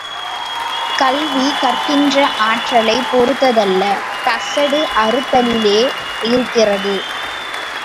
கல்வி, கற்கின்ற ஆற்றல்ைப் பொறுத்ததல்ல, கசடு அறுத்தலிலேயே இருக்கிறது.